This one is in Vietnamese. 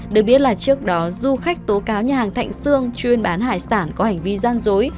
được biết là trước đó du khách tố cáo nhà hàng thạnh sương chuyên bán hải sản có hành vi gian dối